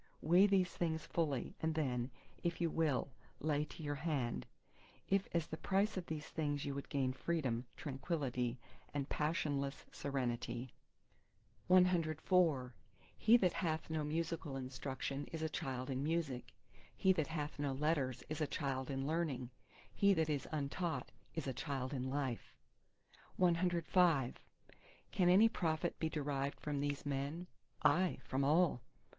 Weigh these things fully, and then, if you will, lay to your hand; if as the price of these things you would gain Freedom, Tranquillity, and passionless Serenity. CV He that hath no musical instruction is a child in Music; he that hath no letters is a child in Learning; he that is untaught is a child in Life. CVI Can any profit be derived from these men? Aye, from all.